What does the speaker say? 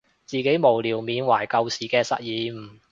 自己無聊緬懷舊時嘅實驗